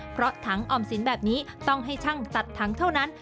เพราะถังออมสินแบบนี้ต้องให้ช่างตัดถังเท่านั้น